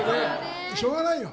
しょうがないよ。